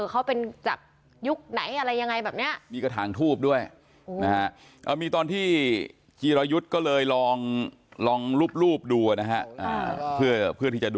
เขาเป็นจากยุคไหนอะไรยังไงแบบนี้